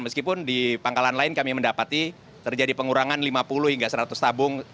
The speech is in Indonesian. meskipun di pangkalan lain kami mendapati terjadi pengurangan lima puluh hingga seratus tabung